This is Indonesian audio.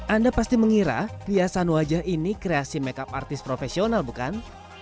anda pasti mengira riasan wajah ini kreasi makeup artis profesional bukan